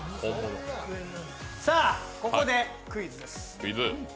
さあ、ここでクイズです。